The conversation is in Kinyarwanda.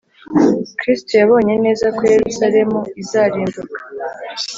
kristo yabonye neza ko yerusalemu izarimbuka